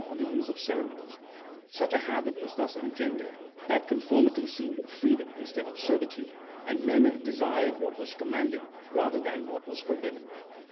on the use of ceremonies) ; such a habit was thus engendered, that conformity seemed freedom instead of ser vitude, and men desired what was commanded rather than what was forbidden.